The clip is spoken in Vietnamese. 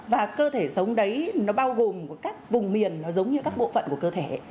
và cơ thể sống đấy nó bao gồm các vùng miền nó giống như các bộ phận của cơ thể